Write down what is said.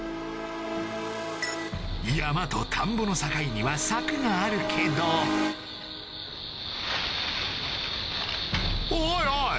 山と田んぼの境には柵があるけどおいおい！